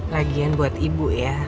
lagian buat ibu ya